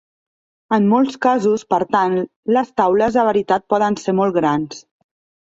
En molts casos, per tant, les taules de veritat poden ser molt grans.